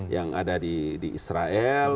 yang ada di israel